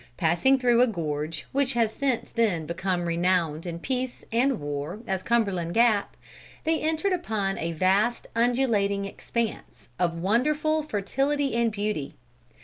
Passing through a gorge, which has since then become renowned in peace and war as Cumberland Gap, they entered upon a vast undulating expanse, of wonderful fertility and beauty.